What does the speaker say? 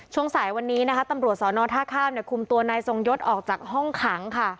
ช่วงสายวันนี้นะคะตำรวจสอนอท่าข้ามคุมตัวนายทรงยศออกจากห้องขังค่ะ